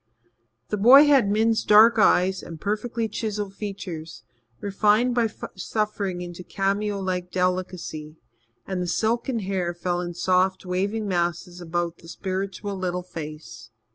The boy had Min's dark eyes and perfectly chiselled features, refined by suffering into cameo like delicacy, and the silken hair fell in soft, waving masses about the spiritual little face.